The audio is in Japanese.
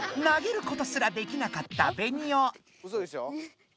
投げることすらできなかったベニオ。